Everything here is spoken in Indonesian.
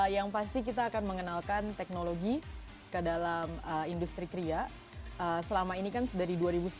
yang pasti kita akan mengenalkan teknologi ke dalam industri kriya selama ini kan dari dua ribu sembilan belas